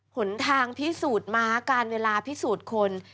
หนทางพิสูจน์ม้าการเวลาพิสูจน์คน